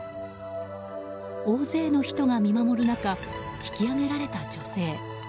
大勢の人が見守る中引き上げられた女性。